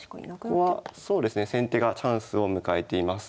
ここは先手がチャンスを迎えています。